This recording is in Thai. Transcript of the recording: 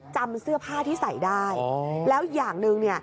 จำเสื้อผ้าที่ใส่ได้แล้วอย่างหนึ่งเนี่ย